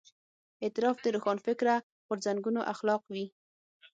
اعتراف د روښانفکره غورځنګونو اخلاق وي.